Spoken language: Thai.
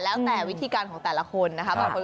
ช็ตมูลแต่วิธีการของแต่ละคนนะครับ